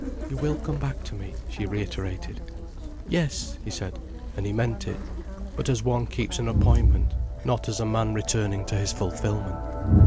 "You will come back to me?" she reiterated. "Yes," he said. And he meant it. But as one keeps an appointment, not as a man returning to his fulfilment.